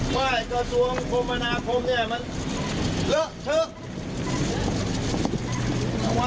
ว่ากระทรวงคมประมาณพร้อมเนี้ยมันเลอะเทอะ